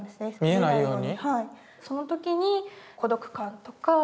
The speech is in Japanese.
見えないように。